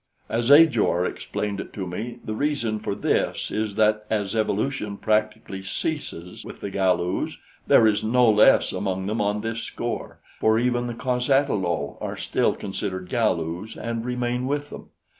As Ajor explained it to me, the reason for this is that as evolution practically ceases with the Galus, there is no less among them on this score, for even the cos ata lo are still considered Galus and remain with them.